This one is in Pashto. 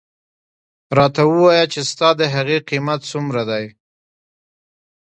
راته ووایه چې ستا د هغې قیمت څومره دی.